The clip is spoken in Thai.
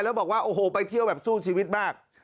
แล้วบอกว่าโอ้โหไปเที่ยวแบบสู้ชีวิตมาก